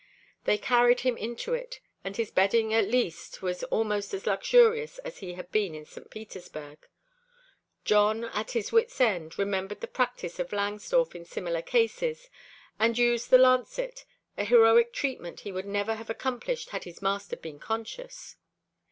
They carried him into it, and his bedding at least was almost as luxurious as had he been in St. Petersburg. Jon, at his wits' end, remembered the' practice of Langsdorff in similar cases, and used the lancet, a heroic treatment he would never have accomplished had his master been conscious.